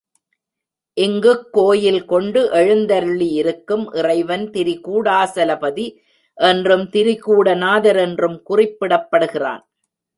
இங்குக் கோயில்கொண்டு எழுந்தருளியிருக்கும் இறைவன் திரிகூடாசலபதி என்றும், திரிகூட நாதர் என்றும் குறிப்பிடப்படுகிறான்.